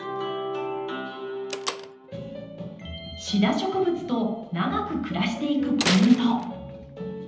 シダ植物と長く暮らしていくポイント。